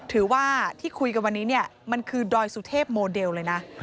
ถือว่าที่คุยกันวันนี้เนี่ยมันคือดอยสุเทพโมเดลเลยนะ